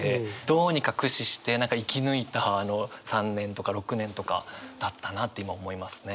どうにか駆使して生き抜いたあの３年とか６年とかだったなって今思いますね。